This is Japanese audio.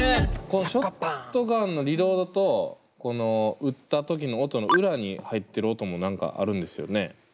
このショットガンのリロードとこの撃った時の音の裏に入ってる音も何かあるんですよね？